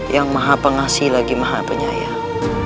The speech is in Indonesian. yang maha pengasih lagi maha penyayang